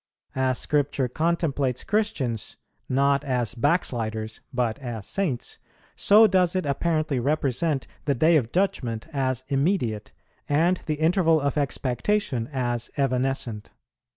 As Scripture contemplates Christians, not as backsliders, but as saints, so does it apparently represent the Day of Judgment as immediate, and the interval of expectation as evanescent.